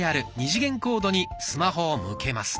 ２次元コードにスマホを向けます。